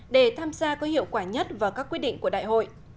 để tham gia có hiệu quả nhất vào các quyết định của đại hội